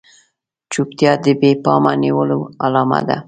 چوپتيا د بې پامه نيولو علامه ده.